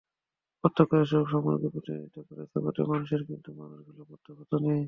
প্রত্যক্ষ এসব সামগ্রী প্রতিনিধিত্ব করছে বটে মানুষের, কিন্তু মানুষগুলো প্রত্যক্ষত নেই।